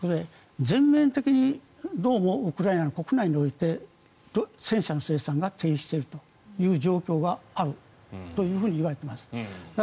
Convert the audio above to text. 全面的にウクライナの国内において戦車の生産が停止しているという状況があるといわれています。